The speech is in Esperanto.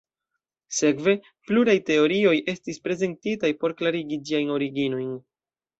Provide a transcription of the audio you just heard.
Sekve, pluraj teorioj estis prezentitaj por klarigi ĝiajn originojn.